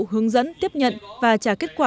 hướng dẫn tiếp nhận và trả kết quả